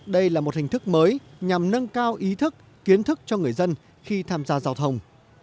đây là một hình thức mới nhằm nâng cao ý thức kiến thức cho người dân khi tham gia giao thông